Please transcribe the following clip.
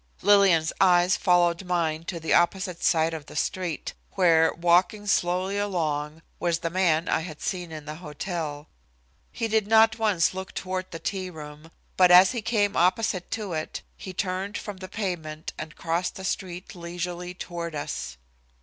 Lillian's eyes followed mine to the opposite side of the street, where, walking slowly along, was the man I had seen in the hotel. He did not once look toward the tea room, but as he came opposite to it he turned from the pavement and crossed the street leisurely toward us.